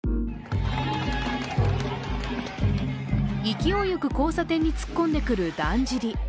勢いよく交差点に突っ込んでくる、だんじり。